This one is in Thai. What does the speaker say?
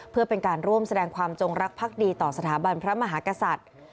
เพื่อเป็นการร่วมแสดงความจงรักภักดีต่อสถาบันพระมหากษัตริย์